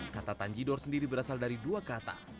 kata tanjidor sendiri berasal dari dua kata